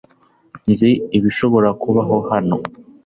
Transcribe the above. Nzi ibishobora kubaho hano .